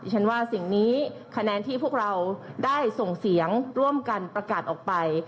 ฉันว่าสิ่งนี้คะแนนที่พวกเราได้ส่งเสียงร่วมกันประกาศออกไป